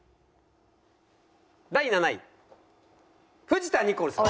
第７位藤田ニコルさん。